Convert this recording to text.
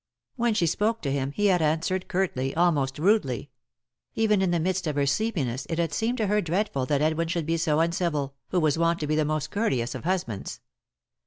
When she spoke to him he had answered curtly, almost rudely; even in the midst of her sleepiness it had seemed to her dreadful that Edwin should be so uncivil, who was wont to be the most courteous of husbands.